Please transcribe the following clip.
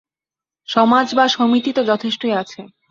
সমাজ বা সমিতি তো যথেষ্টই অছে।